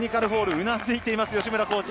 うなずいています吉村コーチ。